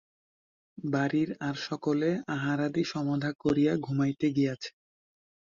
বাড়ির আর সকলে আহারাদি সমাধা করিয়া ঘুমাইতে গিয়াছে।